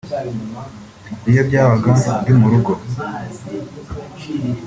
iyo byabaga ndi mu rugo